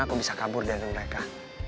aku bisa kabur dari mereka